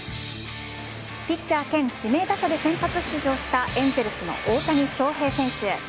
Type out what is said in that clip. ピッチャー兼指名打者で先発出場したエンゼルスの大谷翔平選手。